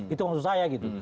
itu maksud saya gitu